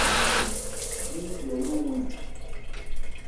Bí Yayó 'wɛn ɛ ?